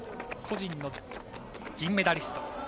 個人の銀メダリスト。